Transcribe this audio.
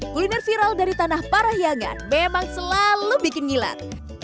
kuliner viral dari tanah parahyangan memang selalu bikin ngilat